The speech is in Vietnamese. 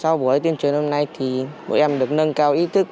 sau buổi tuyên truyền hôm nay thì bọn em được nâng cao ý thức